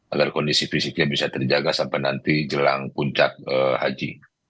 agar kondisi fisiknya bisa terjaga sampai nanti jelang puncak haji